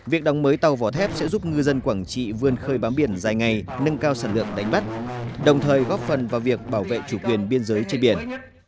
việc đóng mới tàu vỏ thép sẽ giúp ngư dân quảng trị vươn khơi bám biển dài ngày nâng cao sản lượng đánh bắt đồng thời góp phần vào việc bảo vệ chủ quyền biên giới trên biển